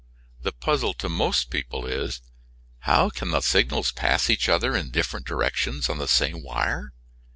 ] The puzzle to most people is: How can the signals pass each other in different directions on the same wire?